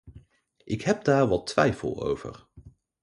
Ik heb daar wat twijfel over.